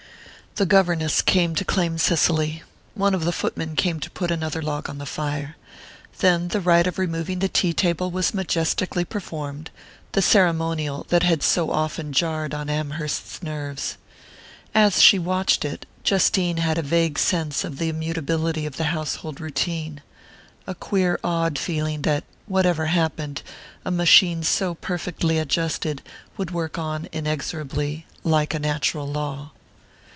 The governess came to claim Cicely. One of the footmen came to put another log on the fire. Then the rite of removing the tea table was majestically performed the ceremonial that had so often jarred on Amherst's nerves. As she watched it, Justine had a vague sense of the immutability of the household routine a queer awed feeling that, whatever happened, a machine so perfectly adjusted would work on inexorably, like a natural law....